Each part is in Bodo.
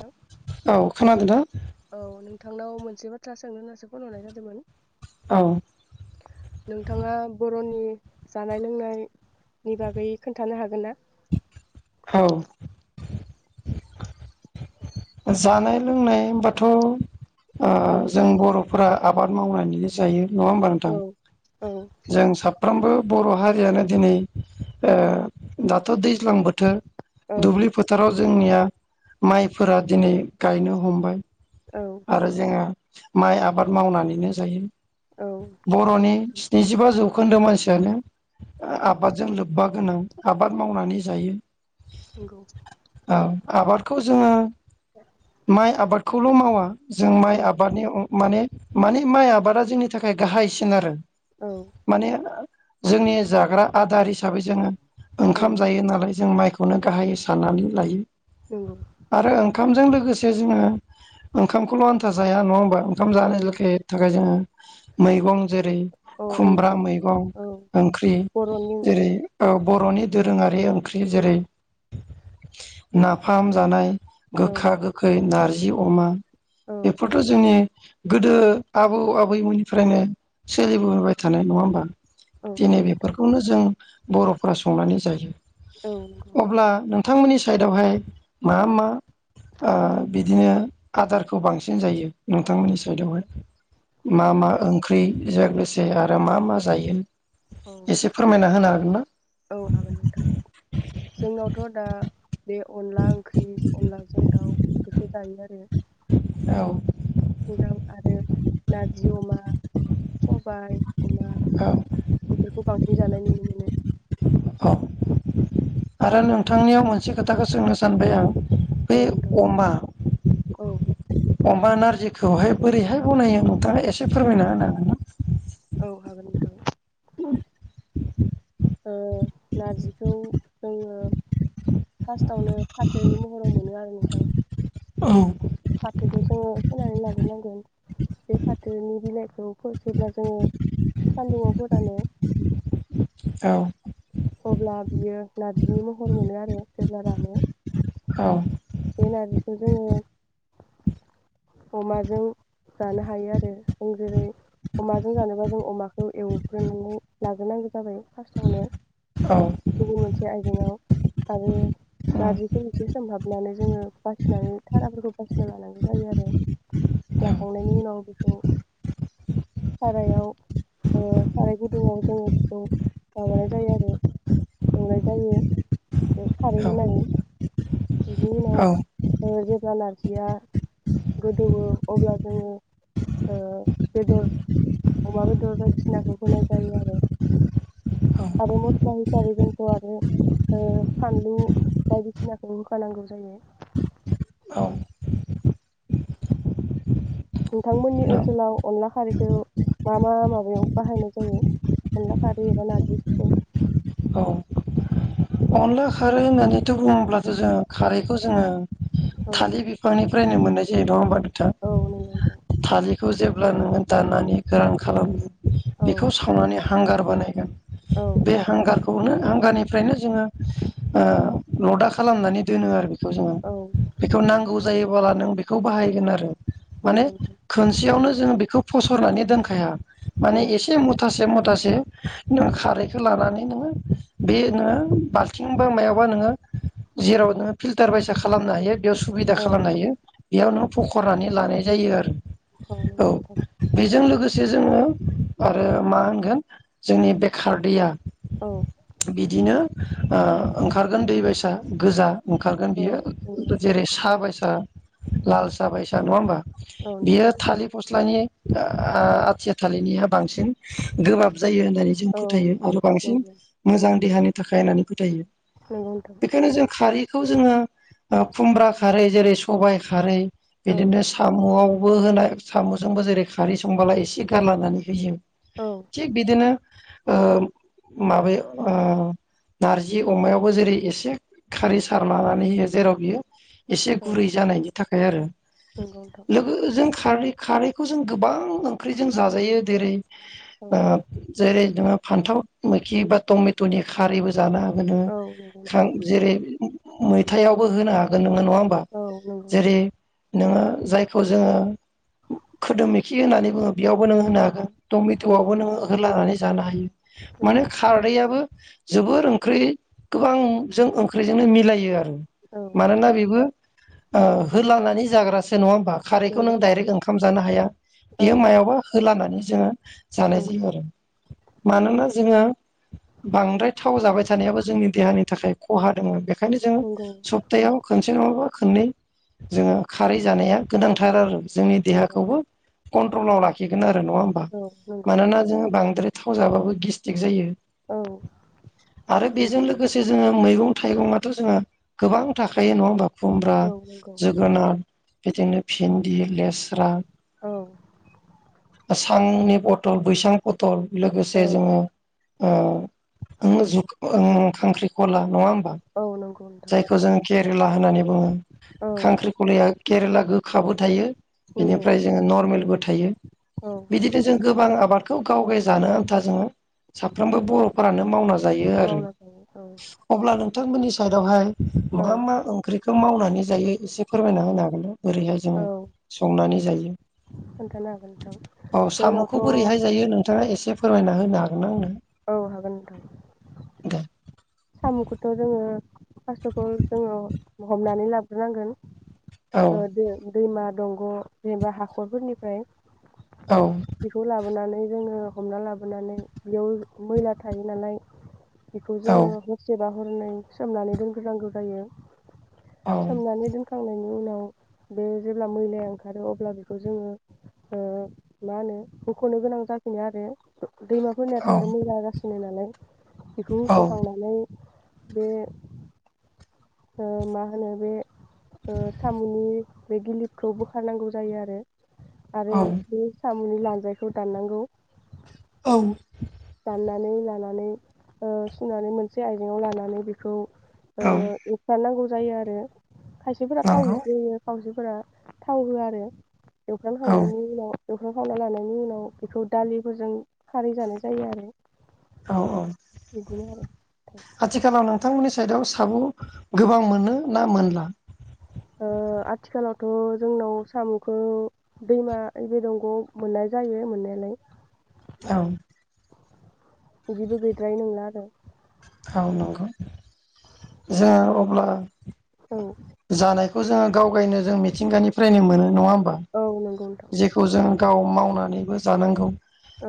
हेलौ। औ खोनादों ना? थांनाव मोनसे बाथ्रा सोंनो होननासो फन हरनाय जादोंमोन। औ नोंथाङा बर'नि जानाय लोंनायनि बागै खोन्थानो हागोन ना? औ। जानाय लोंनाय होनबाथ औ ओह जों बर' फोरा आबाद मावनानैनो जायो। नङा होमबा औ नोंथां औ जों साफ्रोमबो बर' हारियानो दिनै ओ दाथ दैज्लां बोथोर औ दुब्लि फोथाराव ज जोंनिया माइ फोरा दिनै गायनो हमबाय। औ आरो जोङो माइ आबाद मावनानैनो जायो। औ बरनि स्निजिबा जौ खोन्दो मानसियानो औ आबाद जों लोबबाग आबाद मावनानै जायो। नंगौ औ आबाद खौ जोङो माइ आबादखौ ल' मावा जों माइ औ आबादनि माने माने माइ आबादा जोंनि थाखाय गाहायसिन आरो। औ माने जोंनि जाग्रा आदार हिसाबै जोङो औ ओंखाम जायो नालाय जों माइखौनो गाहायै साननानै लायो। नंगौ। आरो ओंखामजों लोगोसे जोङो ओंखामखौल' आनथा जाया नङा होमबा? ओंखाम औ जानो‌ नंगौ थाखाय जोङो मैगं जेरै अ खुमब्रा ओंख्रि मैगं औ ओंख्रि बर'नि ओंख्रि जेरै ओ बर'नि दोरोङारि ओंख्रि औ जेरै नाफाम जानाय औ गोखा गोखै नार जि अमा औ बेफोरथ' जोंनि गोदो आबौ आबैमोननिफ्रायनो सोलिबोबाय थानाय नङा होमबा? दिनै नंगौ नोंथां बेफोरखौनो जों बर'फोरा संनानै जायो। औ नंगौ अब्ला नों नोंथांमोननि साइडावहाय मा औ मा ओ बिदि [unintelligible] आदारखौ बांसिन जायो नोंथांमोननि साइदआवहाय मा अ मा ओंख्रि बेजों लोगोसे आरो मा मा जायो औ एसे फोरमायना होनो हागोन ना? औ हागोन नोंथां जोंनावथ' दा बे अनला ओं ओख्रि अनलाजों दाउ बेफोरखो जायो आरो औ दाउ आरो नारजि अमा सबाय अमा औ [unintelligible] बेफोरखौ बांसिन जानाय नुनो मोनो औ आरो नोंथांनियाव मोनसे खोथाखो सोंनो सानबाय आं औ बे नोंथां अमा औ अमा नारजिखौहाय बोरैहाय रूनाय नोंथाङा एसे फोरमायना होनो हागोन्ना [unintelligible] ओ नारजिखौ जोङो फार्स्टआवनो फाथोनि महराव मोनो आरो नोंथां औ औ औ फाथोखो ज जोङो फोनानै लाग्रोनांगोन बे फाथोनि बिलाइखौ फोसेबना जोङो सानदुङाव फोरानो औ अब्ला बियो नारजिनि महर मोनो आरो जेब्ला रानो औ बे नारजिखौ जोङो अमाजों जानो हायो आरो जों जेरै अमाजों जानोबा जों अमाखौ एवग्रोनानै लाग्रोनांगौ जाबाय फार्स्टआवनो गुबुन मोनसे आयजेंआव आरो नारजिखौ एसे सोमहाबनानै जोङो बासिनानै थाराफोरखौ बासिनानै लानांगोन जायो आरो जाखांनायनि उनाव बेखौ सारायाव ओ साराय गुदुङाव जोङो बेखौ माबानाय जायो आरो संनाय जायो बेयाव खारै होनानै बिनि उनाव ओ जेब्ला नारजि या गोदौओ अब्ला जोङो ओ बेदर अमा बेदर बायदिसिनाखौ होनाय जायो आरो आरो मस्ला हिसाबै जोंथ' आरो फानलु बायदिसिना होखानांगौ जायो नोंथांमोननि ओनसोलाव अनला खारैखौ मा मा माबायाव बाहायनाय जायो अनला खारै एबा नारजिखौ अनला खारै होननानैथ' बुङोब्लाथ' जोङो खारैखौ जोङो औ थालि बिफांनिफ्रायनो मोननाय जायो नङा होमबा औ नंगौ नोंथां थालि खौ जेब्ला नोङो दाननानै गोरान खालामो औ बेखौ सावनानै ह हांगार बानायगोन औ बे हांगारख खौनो हांगारनिफ्रायनो जोङो ओ लदा खालामनानै दोनो आरो [unintelligible] जों औ बेखौ नांगौ जायो बोला नों बेखौ बाहायगोन आरो माने नंगौ नोंथां खोनसेयावनो जों बेखौ फसरनानै दोनखाया औ माने एसे मुथासे मु ठासे औ नों खारैखौ लानानै - [unintelligible] बेनो बा थिंबो मायावबा नोङो जेराव नोङो फिल्टार बायसा खालामनो हायो बेयाव सुबिदा औ खालामनो हायो। बेयाव नों फखरनानै लानाय जायो आरो। औ नंगौ नोंथां बेजों लोगोसे जोङो आरो मा होनगोन जोंनि बेखार दैया औ बिदिनो ओ ओंखारगोन दै बायसा गोजा ओंखारगोन औ बियो नंगौ जेरै सा बायसा लाल साह बायसा नङा होमबा? औ बियो थालिर फस्लानि आथिया थालिरनिया बांसिन गोबाब जायो होननानै जों फोथायो आरो नंगौ नोंथां औ बांसिन नंगौ मोजां देहानि थाखाय खायनानै फोथायो। नंगौ नोंथां बेखायनो जों खारै बेखौ जोङो ओ खुमब्रा खारै जेरै सबाइ खारै औ बिदिनो साम'आव बो होनाय साम'जोंबो जेरै खारै संबोला एसे गारलानानै होयो औ थिग बिदिनो ओ माबाया ओ नारजि अमायावबो जेरै एसे खारै सारानानै होयो जेराव बियो एसे औ गुरै जानायनि थाखाय आरो नंगौ नोंथां लोगोजों खारै खारैखौ जों गोबां ओंख्रिजों जाजायो जेरै औ ओ जेरै जोंहा फान्थाव मोखि बा टमेट'नि खारैबो जानो औ नंगौ खां नोंथां जेरै मैथायावबो होनो हागोन नों आ नङा होमबा औ नंगौ जेरै नोङो जायखौ जोङो खोदोम मोखि होननानै बुङो बेयावबो नोंङो होनो हागोन। टमेट' औ नंगौ नोंथां औ आबोनो ओह लानानै जानो हायो। माने खारदैआबो [unintelligible] जोबोर ओंख्रि गोबां जों ओंख्रिजोंनो मिलायो आरो। मानोना बेबो ओ होलांनानै जाग्रासो नङा खारैखौ नंगौ नों नोंथां दडाइरेक्ट ओंखाम जानो हाया बियो औ मायावबा होलानानै जो जानाय नंगौ जायो आरो मानोना जोङो बांद्राय थाव जाबाय थानायाबो जोंनि देहानि थाखाय खहा दोङ बे ओंखायनो जों नंगौ सप्तायाव खनसे नङबा खननै जोङो खारै जानाया गोनांथार आरो। जोंनि नंगौ देहाखौबो नोंथां कन्ट्रलाव लाखिगोननो नङा हबा औ नंगौ मानोना जों बांद्राय थावजाबाबो गेस्टक जायो। औ आरो नंगौ बेजों लोगोसे जोङो मैगं थाइगंआथ' जोङो गोबां थाखायायो नङा होमबा खुमब्रा औ नंगौ जोगोनार बिदिनो भिन्दि लेस्रा औ नि पटल बैसांफो ल लोगोसे औ जोङो अ ओ जुख ओ खांख्रिखला नङा ओमबा औ नंगौ नोंथां जायखौ जों केरेला होननानै बुङो औ खांख्रिखलाया केरेला गोखाबो थायो। नंगौ बिनिफ्राय जोङो नर्मेलबो थायो औ बिदिनो जों गोबां आबाद बेखौ गाव गाय जानो आन्था जोङो साफ्रोमबो बर'फोरानो मावना जायो आरो मावना जायो औ अब्ला नोंथांमोननि साइदआवहाय औ मा मा ओंख्रिखौ मावनो नानै जायो एसे फोरमायना होनो हागोन बोरैहाय जोङो औ संनानै जायो। खोन्थानो हागोन नोंथां औ साम'खौ जोंनावथ' बोरैहाय जायो नोंथाङा एसे फोरमायना होनो हागोन आंनो। औ हागोन नोंथा। दे। सामु खौथ' जोङो फास्थावथ'जोङो हमनानै लाबग्रो नांगोन। औ ओ दो दैमा दंग' जेनेबा हाखरफोरनिफ्राय औ बेखौ लाबोनानै जोङो हमना लाबोनानै बेयाव मैला थायो नालाय बेखौ औ जोङो जेनेबा हरनै सोमनानै दोग्रोनांगौ जायो। औ सोमनानै दोनखांनायनि बेनि उनाव बे जेब्ला मैलाया ओंखारो अब्ला बेखौ जोङो ओ मा होनो हख'नो गोनां जाफिनो आरो‌। दैमा फोरनियाथ आरो मैला गासि सिनो नालाय बेखौ औ हखांनाय बे ओ मा होनो बे ओ साम'नि बे गिलिपखौ बोखारनांगौ जायो आरो आरो औ बे सामु नि लान्जायखौ दाननांगौ। [unintelligible] नानै लानानै ओ सुनानै मोनसे आइजेंआव लानानै बेखौ ओ औ इसा नांगौ जायो आरो। खायसेफोरा नंगौ थावैसै खाव फोरा थाव होआ आरो। औ एवफ्रामखांनायनि उनाव एवफ्राम खांनानै लानायनि उनाव बेखौ दालिफोरजों खारै जानाय जायो आरो। औ-औ बिदिनो आरो आथिखालाव नों नोंथां मोननि साइडआव सामु गोबां मोनो ना मोनला। ओ आथिखालावथ' जोंनाव सामु खौ दैमा ओइजि दंग' आव मोननाय जायो मोननायालाय। औ बिदिबो गैद्रायि नोङा आरो। ओ नांगौ जा अब्ला औ जानायखौ जोंङो गाव गायनो जों मिथिंगानिफ्रायनो मोनो नङा होमबा बा औ नंगौ नोंथां जेखौ जों गाव माव मावनानैबो जानांगौ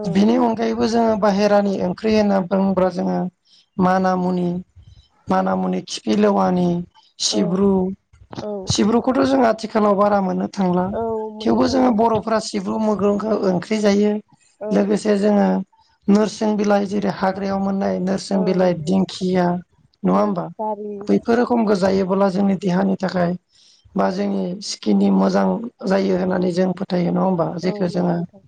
औ बेनि अनगायैबो जोङो बाहेरानि ओंख्रि होनना बुङोब्ला जोङो मानामुनि माना मुनि खिफि लेवानि औ सिब्रु औ सिब्रुखौथ' जों आथिखाल खालाव बारा मोनो थांला औ मोननो थेवबो जोङो थांला बर'फोरा सिब्रु मैग खौ ओंख्रि जायो औ लोगोसे जोङो नोरसिं बिलाइ जेरै हाग्रायाव मोननायनो औ बिलाइ नंगौ दिंखिया नङा औ होनबा गारि बैफोर रखमखो औ जायो जोंनि देहानि थाखाय बा जोंनि स्किननि मोजां जायो होननानै जों फोथ थायो नङा होमबा औ जेख नंगौ जोङो नोंथां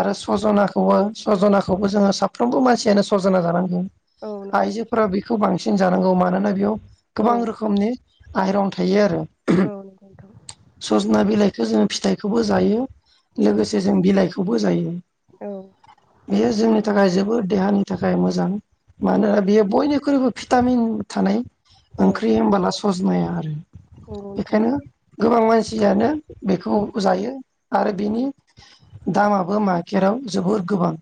आरो सजना खौ खौ सज'नाखौबो जोङो साफ्रोमबो मानसियानो सजना जानांगोन औ नंगौ आइजोफोरा बेखौ बांसिन जानांगौ मानोना बेयाव औ गोबां रोखोमनि आइरन थायो आरो औ नंगौ नोंथां सजना बिलाइखौ जों फिथाइखौबो जायो औ लोगोसे जों बिलाइखौ खौबो जायो औ बेयो जोंनि नंगौ थाखाय जोबोद देहानि थाखाय मोजां मानोना नंगौ बियो बयनिखुरैबो भिटामिन थानाय औ नंगौ ओंख्रै होनबला सजनाया आरो नोंथां बेखायनो गोबां मानसियानो बेखौ उम जायो आरो बेनि दामाबो मा जेराव जोबोर गोबां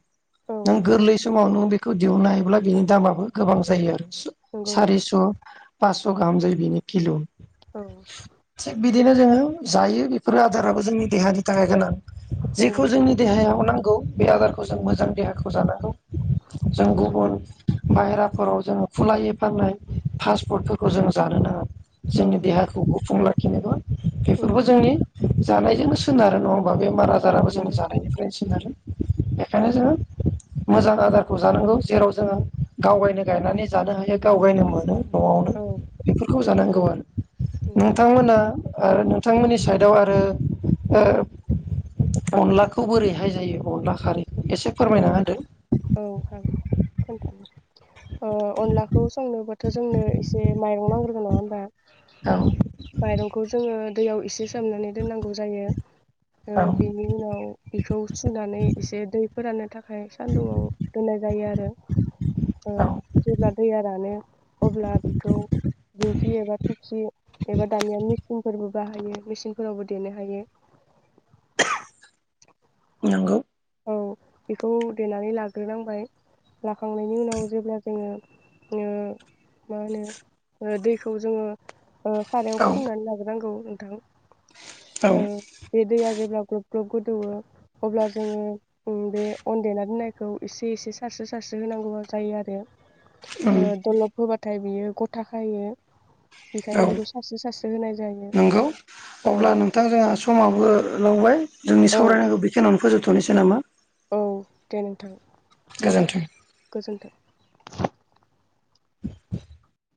औ नों नंगौ गोरलि समावनो खौ दिहोननो हायोब्ला बिनि दामाबो गोबां जायो आरो नंगौ नोंथां सारिस' पास' गाहाम जायो बिनि किल' औ थिग बिदिनो जोङो जायो बेफोरो आदाराबो जोंनि देहानि थाखाय गोनां नंगौ जेखौ नोंथां जोंनि देहायाव नां गौ बे आदारखौ जों औ मोजां देहाखौ जाना जों गुबुन बाहेराफोराव जोङो खुलायै फाननाय फास्ट फुडफोरखौ जों जानो नाङा औ जोंनि नंगौ देहाखौ नोंथां गुफुंला जेनेबा उम बेफोरबो जोंनि जानायजोंनो सोनारो नङा होम बा बेमार औ आजाराबो जों नंगौ नोंथां जानायनिफ्रायनो सोनारो बेखायनो जोङो मोजां आदारखौ जानांगौ जेराव जोङो गावगायनो गायनानै जानो हायो गावगायनो मोनो न'आवनो औ बेफोरखौ जानांगौ गौ आरो नंगौ नोंथां नोंथांमोना आरो नोंथांमोननि साइदाव आरो ओ अनलाखौ बोरैहाय जायो अनला खारै औ औ खोन्थानो ओ अनलाखौ संनोबाथ' जोंनो एसे माइरं नांग्रोन नङा होनबा औ माइरंखौ जोङो दैयाव एसे सुमनानै दोननांगौ जायो ओ औ बेनि उनाव बेखौ सुनानै एसे दै फोराननो थाखाय खाय सान्दुंआव दोननाय जायो आरो ओ जेब्ला दैया रानो अब्ला बेखौ गियोबाथ' जि एबा दानिया मेसिनफोरबो बाहायो मेसिनफोरावबो देनो हायो नंगौ औ बेखौ देनानै लाग्रोनांबाय लाखांनायनि उनाव जेब्ला जोङो ओ मा होनो ओ दैखौ जोङो ओ सारायाव औ फुदुंनानै लाग्रोनांगौ नोंथां औ ओ बे दैया जेब्ला ग्लब ग्लब गोदौवो अब्ला जोङो बे अन देना दोननायखौ एसे एसे सारसो सारसो होनांगौ जायो आरो। उम ओ दलब होबाथा थाइ बियो गथा खायो। बेखायनो औ बेखौ सारस्रो सारस्रो होनाय जायो नंगौ औ अब्ला नोंथां जोंहा समाबो लावबाय जोंनि औ सावरायनायखौ बेखिनियावनो फोजोब थ'नोसै नामा औ दे नोंथां गोजोन्थों गोजोन्थों।